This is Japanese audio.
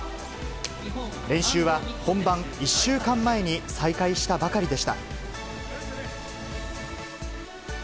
練習は本番１週間前に再開したばかりでした。